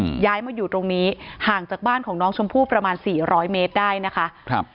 ย้ายมาอยู่ตรงนี้ห่างจากบ้านของน้องชมพู่ประมาณสี่ร้อยเมตรได้นะคะครับ